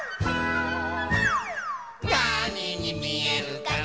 なににみえるかな